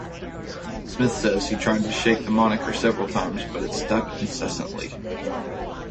Smith says he tried to shake the moniker several times, but it stuck incessantly.